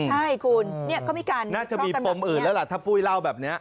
ใช่คุณเนี่ยก็มีการทรัพย์กันแบบนี้น่าจะมีปมอื่นแล้วล่ะถ้าปุ๊ยเล่าแบบนี้